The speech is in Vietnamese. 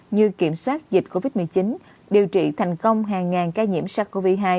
như kiểm soát dịch covid một mươi chín điều trị thành công hàng ngàn ca nhiễm sars cov hai